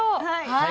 はい。